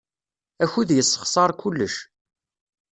Akud yessexṣar kullec.